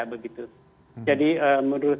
begitu jadi menurut